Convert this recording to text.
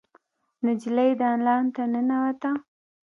نجلۍ دالان ته ننوته.